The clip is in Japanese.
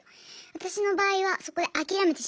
私の場合はそこで諦めてしまって。